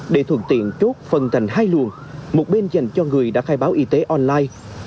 để thuận tiện chốt phân thành hai luồng một bên dành cho người đã khai báo y tế online